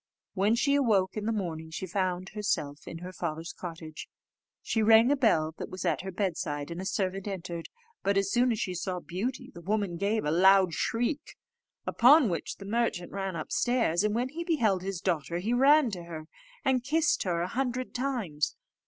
When she awoke in the morning, she found herself in her father's cottage. She rang a bell that was at her bedside, and a servant entered; but as soon as she saw Beauty, the woman gave a loud shriek; upon which the merchant ran upstairs, and when he beheld his daughter he ran to her, and kissed her a hundred times.